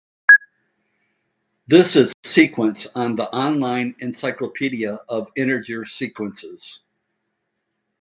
This is sequence on the On-Line Encyclopedia of Integer Sequences.